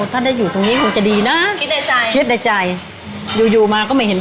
ถ้าได้อยู่ตรงนี้คงจะดีนะคิดในใจคิดในใจอยู่อยู่มาก็ไม่เห็น